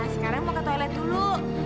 sekarang mau ke toilet dulu